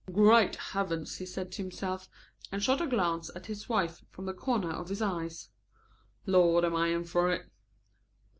"Great Heavens!" he said to himself, and shot a glance at his wife from the corners of his eyes. "Lord, I am in for it."